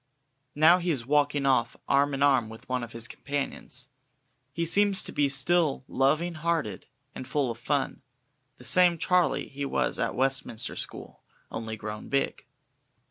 Now he is walking off arm in arm with one of his companions. He seems to be still loving hearted and full of fun, the same Charlie he was at Westminster School only grown big.